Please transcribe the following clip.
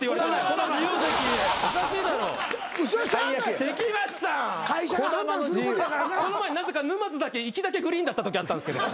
この前なぜか沼津だけ行きだけグリーンだったときあったんすけど。